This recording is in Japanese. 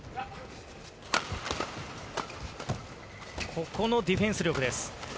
ここのディフェンス力です。